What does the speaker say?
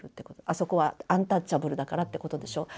あそこはアンタッチャブルだからってことでしょう。